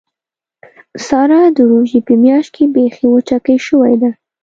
ساره د روژې په میاشت کې بیخي وچکۍ شوې ده.